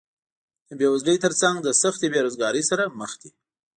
د بېوزلۍ تر څنګ له سختې بېروزګارۍ سره مخ دي